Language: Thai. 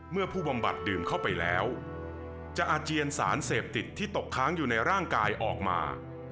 เมื่อผู้บำบัดดื่มเข้าไปแล้วจะอาเจียนสารเสพติดที่ตกค้างอยู่ในร่างกายออกมา